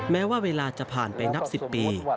แม้ว่าเวลาจะผ่านไปนับ๑๐ปี